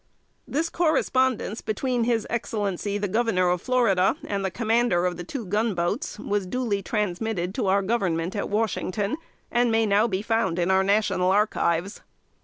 This correspondence between his Excellency the Governor of Florida and the Commander of the two gun boats, was duly transmitted to our Government at Washington, and may now be found in our National Archives.